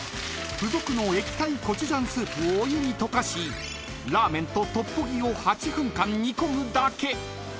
［付属の液体コチュジャンスープをお湯に溶かしラーメンとトッポギを］